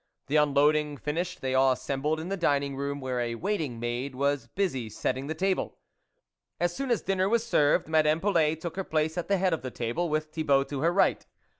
The unloading finished, they all assembled in the dining room where a waiting maid was busy setting the table. As soon as dinner was served, Madame Polet took her place at the head of the table, with Thibault to her right.